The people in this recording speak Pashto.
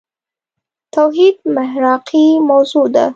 توحيد محراقي موضوع ده.